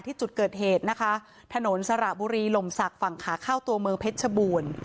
ที่จุดเกิดเหตุนะคะถนนสระบุรีลมศักดิ์ฝั่งขาเข้าตัวเมืองเพชรชบูรณ์